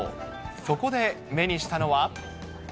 そこで目にしたのは。